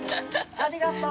ありがとう！